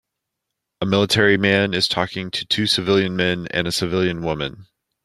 A military man is talking to two civilian men and a civilian woman.